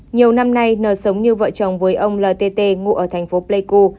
nhiều năm nay n sống như vợ chồng với ông l t t ngụ ở thành phố pleiku